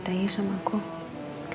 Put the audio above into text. agak beruntung aja kok kwk